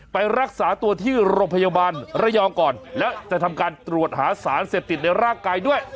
ไปรักษาตัวที่โรงพยาบาลระยองก่อนแล้วจะทำการตรวจหาสารเสพติดในร่างกายด้วย